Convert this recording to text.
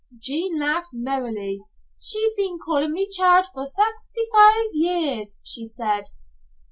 Jean laughed merrily. "She's been callin' me child for saxty five years," she said.